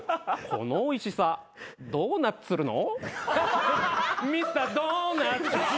「このおいしさドーナッツるの？」